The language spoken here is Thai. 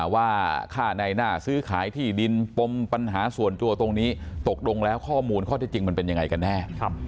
ว่าค่าในหน้าซื้อขายที่ดินปมปัญหาส่วนตัวตรงนี้ตกลงแล้วข้อมูลข้อที่จริงมันเป็นยังไงกันแน่